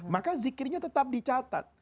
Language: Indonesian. maka zikirnya tetap dicatat